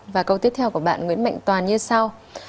và câu tiếp theo của bạn nguyễn mạnh toàn như sau